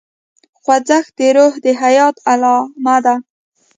خوځښت د روح د حیات علامه ده.